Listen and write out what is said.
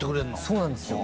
そうなんですよ